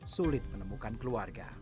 sulit menemukan keluarga